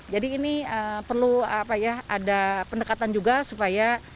jadi ini perlu ada pendekatan juga supaya